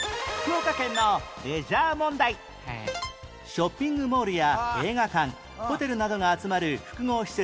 ショッピングモールや映画館ホテルなどが集まる複合施設